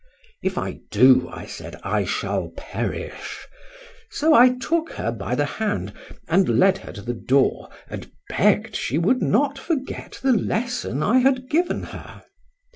— If I do, said I, I shall perish;—so I took her by the hand, and led her to the door, and begg'd she would not forget the lesson I had given her.